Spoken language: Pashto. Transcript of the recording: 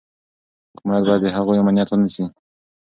حکومت باید د هغوی امنیت ونیسي.